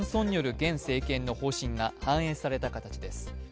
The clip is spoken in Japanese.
現政権の方針が反映された形です。